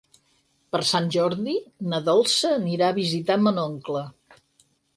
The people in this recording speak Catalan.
Per Sant Jordi na Dolça anirà a visitar mon oncle.